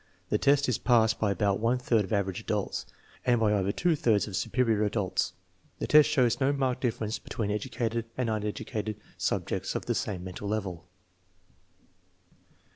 The test is passed by about one third of " average adults " and by over two thirds of " superior adults." The test shows no marked difference between educated and unedu cated subjects of the same mental level.